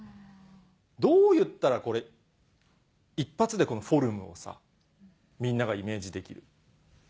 どう言ったらこれ一発でこのフォルムをみんながイメージできる？